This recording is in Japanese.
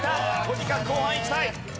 とにかく後半いきたい。